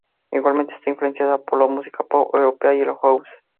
Igualmente, está influenciada por la música pop europea y el "house".